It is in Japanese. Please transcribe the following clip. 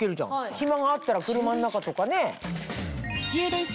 暇があったら車の中とかね。